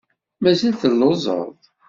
Mazal telluẓeḍ?